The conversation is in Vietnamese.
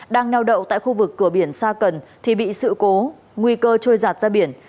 đang neo đậu tại khu vực cửa biển sa cần thì bị sự cố nguy cơ trôi giặt ra biển